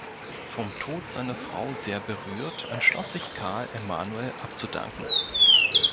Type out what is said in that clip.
Vom Tod seiner Frau sehr berührt, entschloss sich Karl Emanuel, abzudanken.